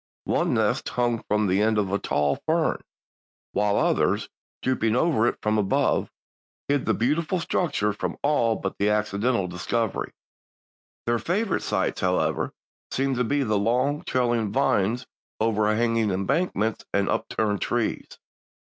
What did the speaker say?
One nest hung from the end of a tall fern, while others, drooping over it from above, hid the beautiful structure from all but accidental discovery. Their favorite sites, however, seemed to be the long, trailing vines overhanging embankments and upturned trees.